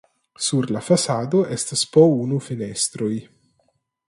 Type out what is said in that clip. Sur la fasado estas po unu fenestroj.